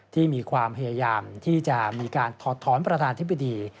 ที่มีความพยายามที่จะมีการถอดถอนประธานธิบดี